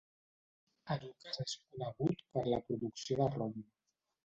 Arucas és conegut per la producció de rom.